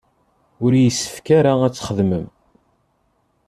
Ur yessefk ara ad txedmem.